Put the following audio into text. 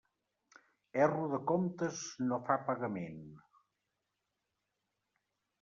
Erro de comptes no fa pagament.